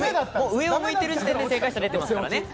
上を向いている時点で、正解者出ていますからね。